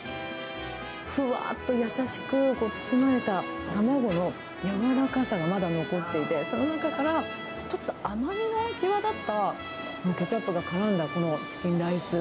ふわっと優しく包まれた卵の柔らかさがまだ残っていて、その中からちょっと甘みが際立ったケチャップがからんだこのチキンライス。